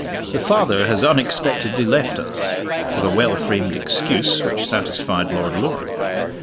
The Father has unexpectedly left us with a well framed excuse which satisfied Lord Loring.